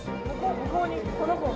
向こうにこの子が。